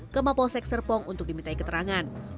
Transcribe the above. ke maposek serpong untuk diminta keterangan